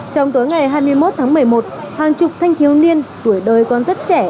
trong tối ngày hai mươi một tháng một mươi một hàng chục thanh thiếu niên tuổi đời còn rất trẻ